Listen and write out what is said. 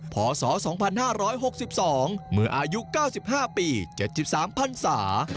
พศ๒๕๖๒เมื่ออายุ๙๕ปี๗๓พันศา